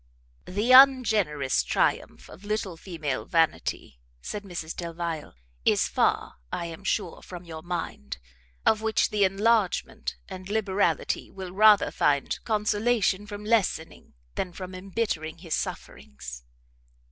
"The ungenerous triumph of little female vanity," said Mrs Delvile, "is far, I am sure, from your mind, of which the enlargement and liberality will rather find consolation from lessening than from embittering his sufferings.